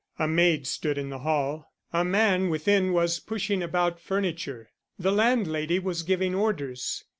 A maid stood in the hall. A man within was pushing about furniture. The landlady was giving orders.